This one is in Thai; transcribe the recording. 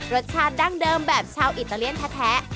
ดั้งเดิมแบบชาวอิตาเลียนแท้